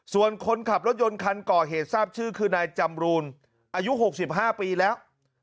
ส่วนคนขับรถยนต์คันก่อเหตุทราบชื่อคือนายจำรูนอายุ๖๕ปีแล้ว